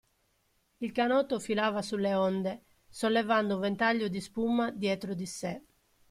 Il canotto filava sulle onde, sollevando un ventaglio di spuma dietro di sé.